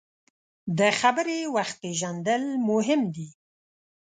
د خبرې وخت پیژندل مهم دي.